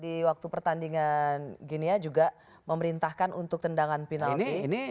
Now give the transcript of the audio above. di waktu pertandingan ginia juga memerintahkan untuk tendangan penalti